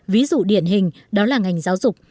ví dụ điển hình đó là ngành giáo dục